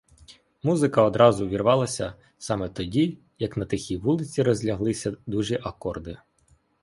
Музика одразу увірвалася саме тоді, як на тихій вулиці розляглися дужі акорди.